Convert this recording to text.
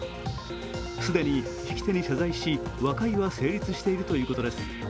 既に曳き手に謝罪し、和解は成立しているということです。